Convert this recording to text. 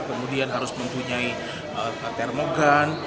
kemudian harus mempunyai termogan